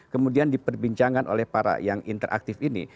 kemudian diperbincangkan oleh para yang interaktif ini